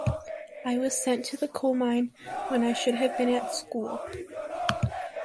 I was sent to the coal mine when I should have been at school.